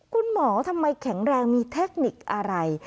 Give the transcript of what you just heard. ทำไมแข็งแรงมีเทคนิคอะไร